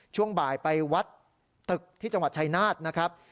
ช่วงบ่ายไปวัดตึกที่จังหวัดชายนาฏนะครับ